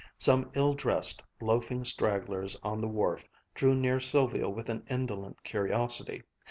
Some ill dressed, loafing stragglers on the wharf drew near Sylvia with an indolent curiosity.